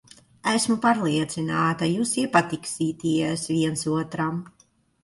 Esmu pārliecināta, jūs iepatiksieties viens otram.